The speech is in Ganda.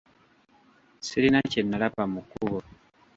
Sirina kye nalaba mu kkubo.